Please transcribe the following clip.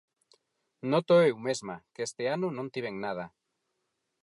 Nótoo eu mesma, que este ano non tiven nada.